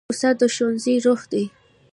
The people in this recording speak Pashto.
استاد د ښوونځي روح دی.